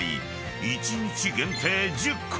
［一日限定１０個！